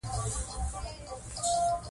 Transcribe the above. هر وګړی باید خپل چاپېریال پاک وساتي.